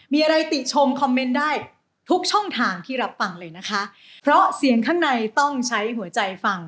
มีอะไรติชมคอมเมนต์ได้ทุกช่องทางที่รับฟังเลยนะคะเพราะเสียงข้างในต้องใช้หัวใจฟัง